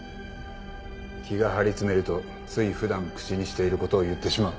気が張り詰めるとつい普段口にしていることを言ってしまう。